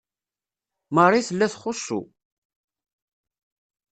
Marie tella txuṣṣu.